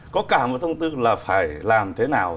có cả một thông tư là phải làm thế nào